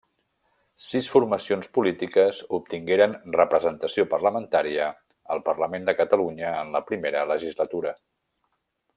Sis formacions polítiques obtingueren representació parlamentària al parlament de Catalunya en la Primera Legislatura.